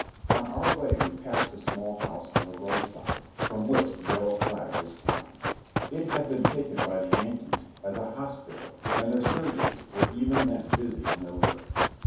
On our way we passed a small house on the roadside, from which the yellow flag was flying. It had been taken by the Yankees as a hospital and their surgeons were even then busy in their work.